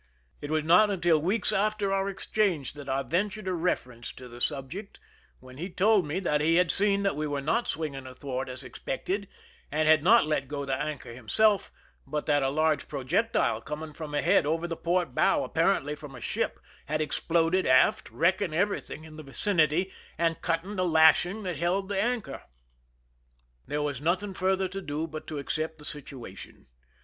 It was not until weeks after our exchange that I ventured a reference to the subject, when he told me that he had seen that we were not swinging athwart as expected, and had not let go the anchor himself, but that a large projectile coming from ahead over the port bow, apparently from a ship, had exploded aft, wrecking everything in the vicin ity, and cutting the lashing that held the anchor ! There was nothing further to do but to accept the situation.